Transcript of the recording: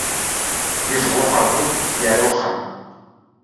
Yufeg uqermud, yeɛra uxxam.